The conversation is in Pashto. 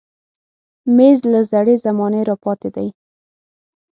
مېز له زړې زمانې راپاتې دی.